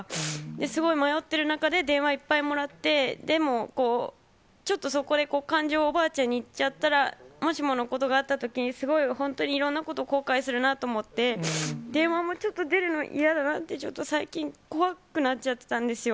すごい迷ってる中で電話いっぱいもらって、でも、ちょっとそこで感情をおばあちゃんにいっちゃったら、もしものことがあったとき、すごい本当にいろんなことを後悔するなと思って、電話もちょっと出るの嫌だなって、ちょっと最近、怖くなっちゃってたんですよ。